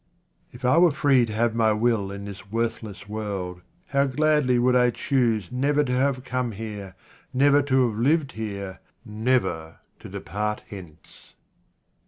If I were free to have my will in this worthless world, how gladly would I choose never to have come here, never to have lived here, never to depart hence